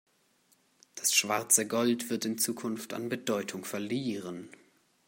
Das schwarze Gold wird in Zukunft an Bedeutung verlieren.